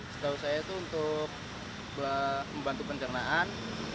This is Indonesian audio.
setahu saya itu untuk membantu pencernaan